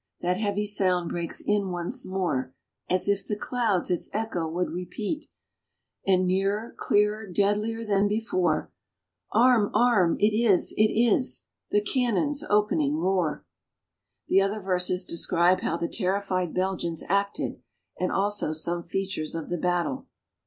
— that heavy sound breaks in once more, As if the clouds its echo would repeat ; And nearer, clearer, deadlier than before ! Arm ! Arm ! it is — it is — the cannon's opening roar !" The other verses describe how the terrified Belgians acted, and also some features of the battle.